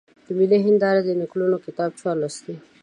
د ملي هېندارې د نکلونو کتاب چا لوستلی دی؟